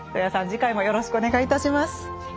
次回もよろしくお願いいたします。